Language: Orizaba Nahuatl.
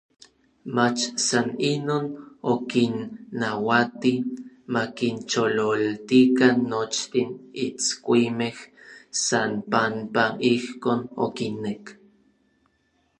mach san inon, okinnauati makinchololtikan nochtin itskuimej san panpa ijkon okinek.